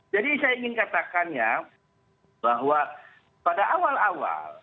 jadi saya ingin katakannya bahwa pada awal awal